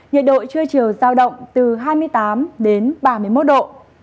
nhiệt độ trưa chiều giao động từ hai mươi tám đến ba mươi một độ